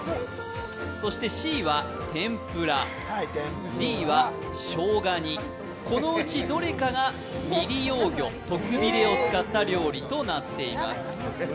そしてＣは天ぷら、Ｄはしょうが煮、このうちどれかが未利用魚、トクビレを使った料理となっています。